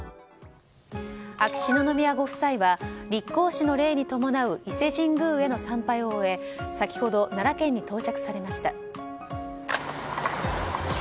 秋篠宮ご夫妻は立皇嗣の礼に伴う伊勢神宮への参拝を終え先ほど奈良県に到着されました。